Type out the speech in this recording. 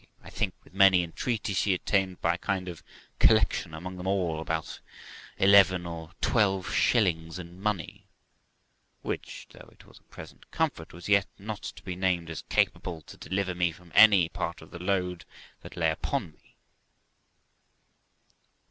I think, with much entreaty, she obtained, by a kind of collection among them all, about eleven or twelve shillings in money, which, though it was a present comfort, was yet not to be named as capable to deliver me from any part of the load that lay upon me.